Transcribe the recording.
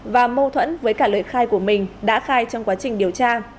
và mâu thuẫn với cả lời khai của mình đã khai trong quá trình điều tra